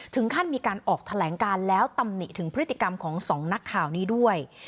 ถึงขั้นมีการออกแถลงการแล้วตำหนิถึงพฤติกรรมของสองนักข่าวนี้ด้วย